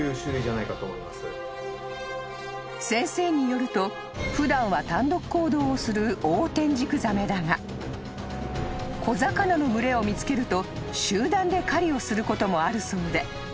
［先生によると普段は単独行動をするオオテンジクザメだが小魚の群れを見つけると集団で狩りをすることもあるそうで］